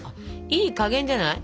いい加減じゃない？